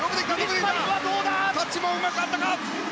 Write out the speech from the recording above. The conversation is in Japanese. タッチもうまく合ったか？